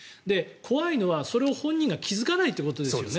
怖いのはそれを本人が気付かないってことですよね。